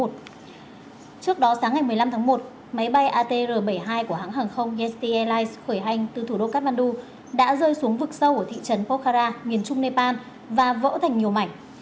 trước đó sáng ngày một mươi năm tháng một máy bay atr bảy mươi hai của hãng hàng không eti airlines khởi hành từ thủ đô kamandu đã rơi xuống vực sâu ở thị trấn pokhara miền trung nepal và vỡ thành nhiều mảnh